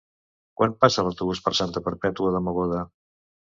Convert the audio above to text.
Quan passa l'autobús per Santa Perpètua de Mogoda?